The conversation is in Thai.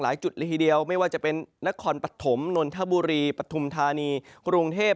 จุดละทีเดียวไม่ว่าจะเป็นนครปฐมนนทบุรีปฐุมธานีกรุงเทพ